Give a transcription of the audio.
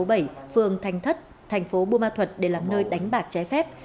tổ dân phố bảy phường thành thất tp bumathuat để làm nơi đánh bạc trái phép